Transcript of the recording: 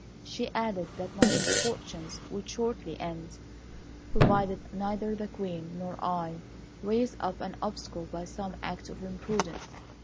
She added that my misfortunes would shortly end, provided neither the Queen nor I raised up an obstacle by some act of imprudence.